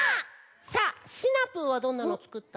さあシナプーはどんなのつくったの？